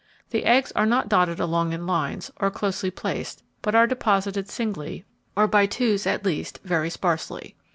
The eggs are not dotted along in lines, or closely placed, but are deposited singly, or by twos, at least very sparsely.